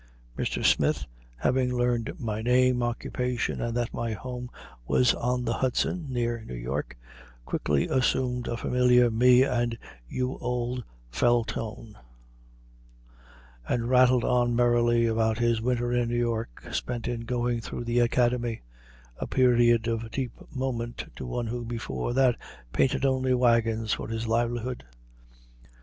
Mr. Smith having learned my name, occupation, and that my home was on the Hudson, near New York, quickly assumed a familiar me and you old fel' tone, and rattled on merrily about his winter in New York spent in "going through the Academy," a period of deep moment to one who before that painted only wagons for his livelihood.